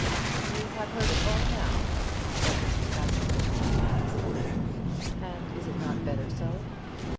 "You have heard it all now," said Mrs. Askerton at last. "And is it not better so?"